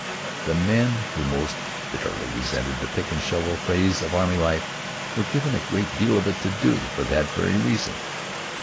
The men who most bitterly resented the pick and shovel phase of army life were given a great deal of it to do for that very reason.